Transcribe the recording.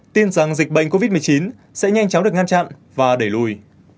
tin rằng dịch bệnh covid một mươi chín sẽ nhanh chóng được ngăn chặn và đẩy lùi